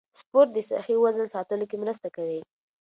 سپورت د صحي وزن ساتلو کې مرسته کوي.